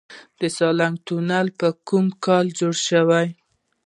د سالنګ تونل په کوم کال جوړ شو؟